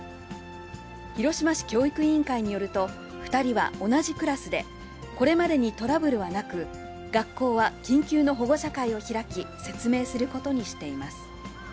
広島市教育委員会によると、２人は同じクラスで、これまでにトラブルはなく、学校は緊急の保護者会を開き、説明することにしています。